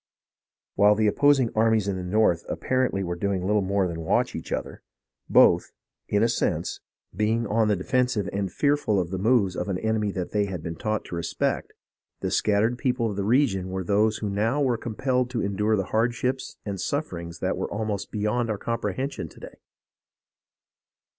While the opposing armies in the north apparently were doing little more than watch each other, both, in a sense, 264 SUFFERINGS OF THE COMMON PEOPLE 265 being on the defensive and fearful of the moves of an enemy that they had been taught to respect, the scattered people of the region were those who now were com pelled to endure hardships and suffering that are almost beyond our comprehension to day.